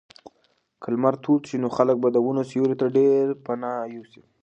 که لمر تود شي نو خلک به د ونو سیوري ته ډېر پناه یوسي.